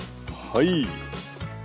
はい。